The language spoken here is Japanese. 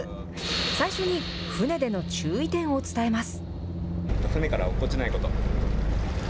最初に船での注意点を伝えます。